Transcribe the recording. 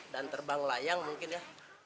dan terbang layang mungkin ya